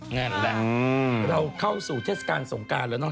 นั่นแหละเราเข้าสู่เทศกาลสงการแล้วเนอ